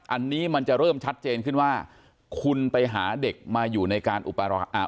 อันนี้มันจะเริ่มชัดเจนขึ้นว่าคุณไปหาเด็กมาอยู่ในการอุปอ่า